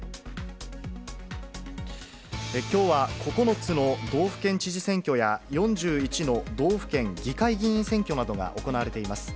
きょうは９つの道府県知事選挙や４１の道府県議会議員選挙などが行われています。